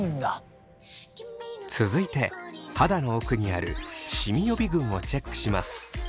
続いて肌の奥にあるシミ予備軍をチェックします。